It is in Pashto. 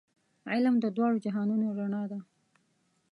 علم د دواړو جهانونو رڼا ده.